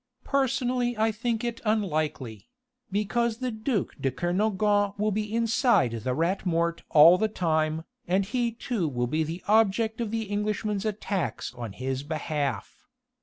Personally I think it unlikely because the duc de Kernogan will be inside the Rat Mort all the time, and he too will be the object of the Englishmen's attacks on his behalf.